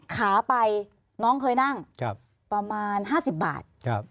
ขาไปน้องเคยนั่งประมาณ๕๐บาท